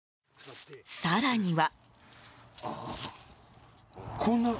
更には。